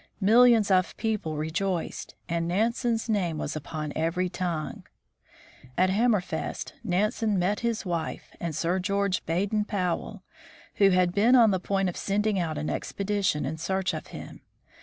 Millions of people rejoiced, and Nansen's name was upon every tongue. At Hammerfest, Nansen met his wife and Sir George Baden Powell, who had been on the point of sending out an expedition in search of him.